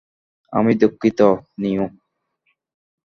আমি দুঃখিত, নিও।